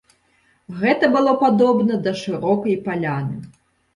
Гэта было падобна да шырокай паляны.